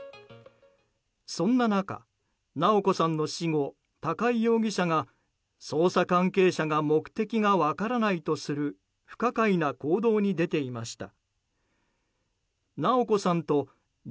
そんな中、直子さんの死後高井容疑者が捜査関係者が目的が分からないとする不可解な行動に出ていました。